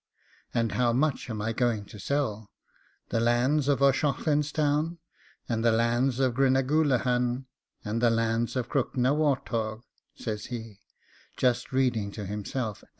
'And how much am I going to sell! the lands of O'Shaughlin's Town, and the lands of Gruneaghoolaghan, and the lands of Crookagnawaturgh,' says he, just reading to himself.